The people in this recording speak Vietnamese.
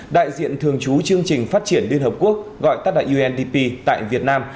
đại diện thường chú chương trình phát triển liên hợp quốc gọi tắt đại undp tại việt nam